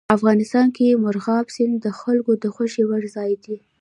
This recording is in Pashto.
افغانستان کې مورغاب سیند د خلکو د خوښې وړ ځای دی.